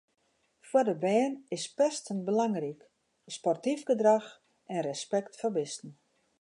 Foar de bern is pesten belangryk, sportyf gedrach en respekt foar bisten.